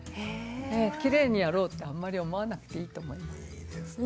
きれいにやろうってあんまり思わなくていいと思います。